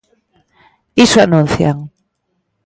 Iso anuncian.